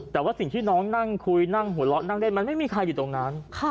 แต่ว่าสิ่งที่น้องนั่งคุยนั่งหัวเราะนั่งเล่นมันไม่มีใครอยู่ตรงนั้น